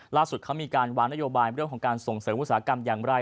ล่าสุดเขามีการวางนโยบายเรื่องของการส่งเสริมอุตสาหกรรมอย่างไร